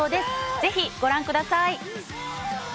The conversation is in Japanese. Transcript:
ぜひご覧ください。